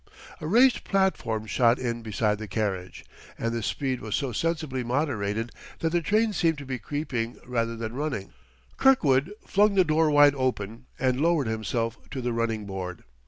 A raised platform shot in beside the carriage, and the speed was so sensibly moderated that the train seemed to be creeping rather than running. Kirkwood flung the door wide open and lowered himself to the running board.